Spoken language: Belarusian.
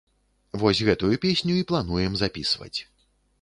Вось гэтую песню і плануем запісваць.